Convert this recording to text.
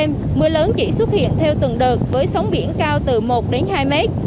đêm mưa lớn chỉ xuất hiện theo từng đợt với sóng biển cao từ một đến hai mét